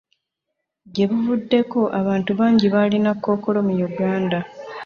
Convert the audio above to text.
Gye buvuddeko, abantu bangi balina kkookolo mu Uganda.